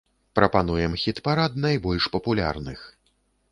Прапануем хіт-парад найбольш папулярных.